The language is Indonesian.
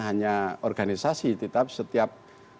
hanya organisasi tetap setiap